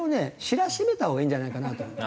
知らしめたほうがいいんじゃないかなと。